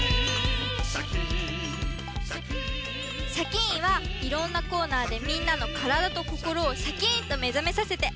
「シャキーン！」はいろんなコーナーでみんなのからだとこころをシャキーンとめざめさせて。